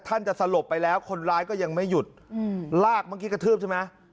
ท่านจะสลบไปแล้วคนร้ายก็ยังไม่หยุดลากเมื่อกี้กระทืบใช่ไหม